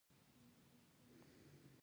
کار و اهل کار ته وسپارئ